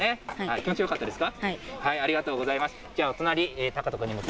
気持ちよかったですか？